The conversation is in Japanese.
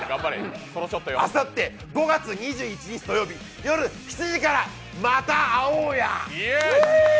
あさって５月２１日土曜日夜７時からまた会おうや。